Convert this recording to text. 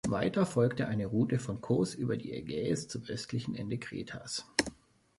Weiter folgte eine Route von Kos über die Ägäis zum östlichen Ende Kretas.